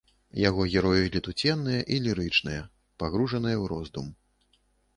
Яго героі летуценныя і лірычныя, пагружаныя ў роздум.